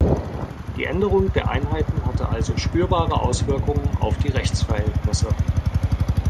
Die Änderung der Einheiten hatte also spürbare Auswirkungen auf die Rechtsverhältnisse.